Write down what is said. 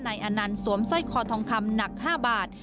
อนันต์สวมสร้อยคอทองคำหนัก๕บาท